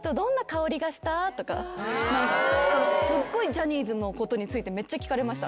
すごいジャニーズのことについてめっちゃ聞かれました。